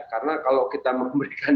karena kalau kita memberikan